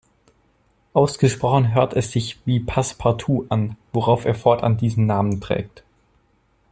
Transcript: Ausgesprochen hört es sich wie "Passepartout" an, worauf er fortan diesen Namen trägt.